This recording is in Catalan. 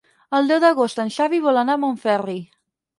El deu d'agost en Xavi vol anar a Montferri.